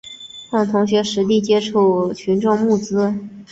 让同学实地接触群众募资